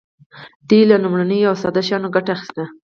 دوی له لومړنیو او ساده شیانو ګټه اخیسته.